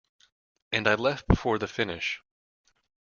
And I left before the finish.